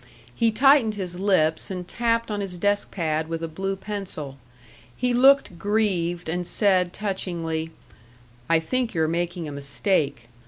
He tightened his lips and tapped on his desk pad with a blue pencil; he looked grieved and said, touchingly: "I think you're making a mistake.